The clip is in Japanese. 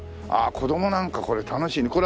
ああ子供なんかこれ楽しい。